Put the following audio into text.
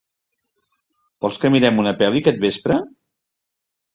Vols que mirem una pel·li aquest vespre?